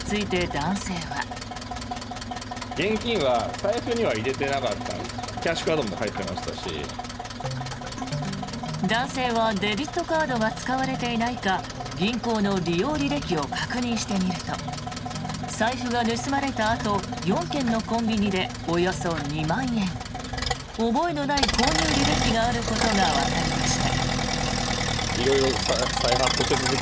男性はデビットカードが使われていないか銀行の利用履歴を確認してみると財布が盗まれたあと４軒のコンビニでおよそ２万円覚えのない購入履歴があることがわかりました。